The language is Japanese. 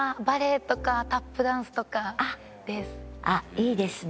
あっいいですね。